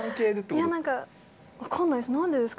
いや、なんか分かんないです。